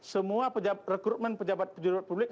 semua rekrutmen pejabat pejabat publik